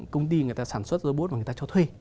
công ty người ta sản xuất robot mà người ta cho thuê